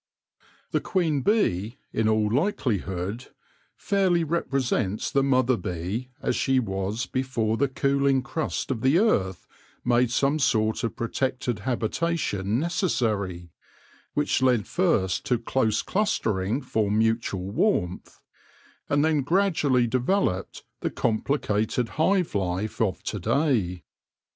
The queen bee, in all likeli hood, fairly represents the mother bee as she was before the cooling crust of the earth made some sort of protected habitation necessary, which led first to close clustering for mutual warmth, and then gradually developed the complicated hive life of to day.